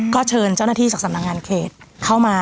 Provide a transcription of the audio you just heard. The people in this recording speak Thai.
ก็เชิญเจ้าหน้าที่จากสำนักงานเขตเข้ามา